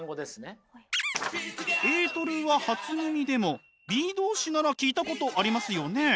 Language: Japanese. エートルは初耳でもｂｅ動詞なら聞いたことありますよね。